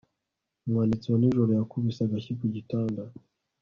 Umwanditsi wa nijoro yakubise agashyi ku gitanda